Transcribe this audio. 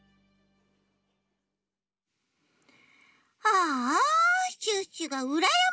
ああシュッシュがうらやましい。